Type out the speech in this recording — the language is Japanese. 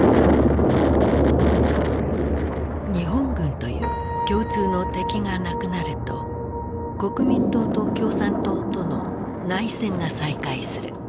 日本軍という共通の敵がなくなると国民党と共産党との内戦が再開する。